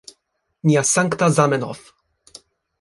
Nia sankta Zamenhof